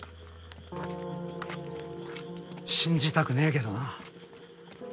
信じたくねえけどな。